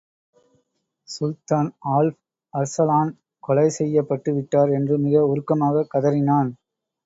சுல்தான் Alp Arslan கொலை செய்யப்பட்டு விட்டார்! என்று மிக உருக்கமாகக் கதறினான்.